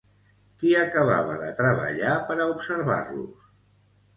Qui acabava de treballar per a observar-los?